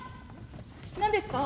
何ですか？